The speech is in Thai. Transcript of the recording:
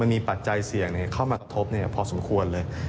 มีปัจจัยเสี่ยงเข้ามากระทบพอสมควรเลย